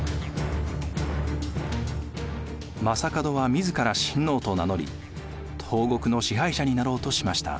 将門は自ら新皇と名乗り東国の支配者になろうとしました。